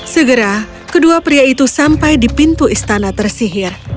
segera kedua pria itu sampai di pintu istana tersihir